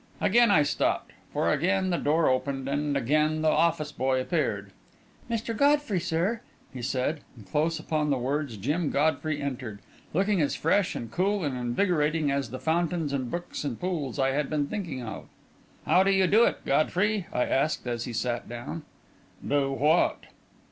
Again I stopped, for again the door opened, and again the office boy appeared. "Mr. Godfrey, sir," he said, and close upon the words, Jim Godfrey entered, looking as fresh and cool and invigorating as the fountains and brooks and pools I had been thinking of. "How do you do it, Godfrey?" I asked, as he sat down. "Do what?"